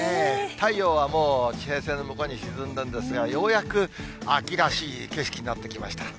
太陽はもう地平線の向こうに沈んだんですが、ようやく秋らしい景色になってきました。